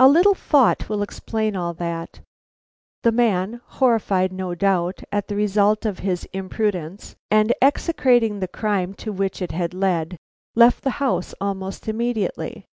A little thought will explain all that. The man, horrified, no doubt, at the result of his imprudence, and execrating the crime to which it had led, left the house almost immediately.